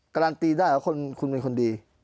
การันตีได้ว่าคุณเป็นคนดี